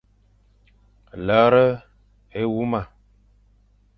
Lere éwuma.